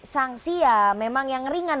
sangsia memang yang ringan